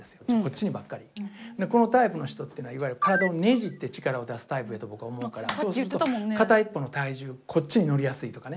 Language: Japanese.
このタイプの人っていうのはいわゆる体をねじって力を出すタイプやと僕は思うからそうすると片一方の体重こっちに乗りやすいとかね